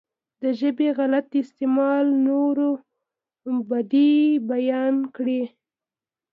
د ژبې غلط استعمال نورو بدۍ بيانې کړي.